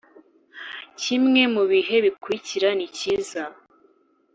kimwe mu bihe bikurikira nikiza